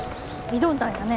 挑んだんやね。